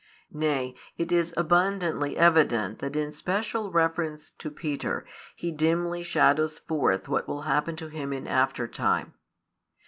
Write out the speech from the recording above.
Nay, it is abundantly evident that in special reference to Peter He dimly shadows forth what will happen to him in after time.